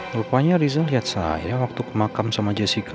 lepanya rizal liat saya waktu kemakam sama jessica